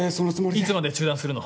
いつまで中断するの？